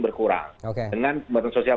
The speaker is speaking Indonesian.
berkurang oke dengan kembang sosial